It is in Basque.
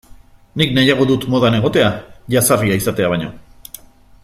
Nik nahiago dut modan egotea jazarria izatea baino.